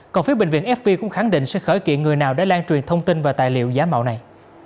còn phía bệnh viện fv cũng khẳng định sẽ khởi kiện người nào đã lan truyền thông tin và tài liệu giá mạo này